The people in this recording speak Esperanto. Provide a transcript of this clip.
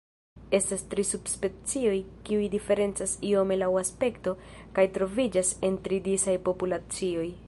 Estas tri subspecioj, kiuj diferencas iome laŭ aspekto kaj troviĝas en tri disaj populacioj.